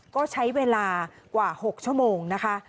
ก็ใช้เวลากว่า๖ชั่วโมงนะคะ